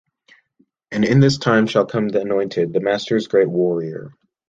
And in this time shall come the Anointed, the Master's great warrior...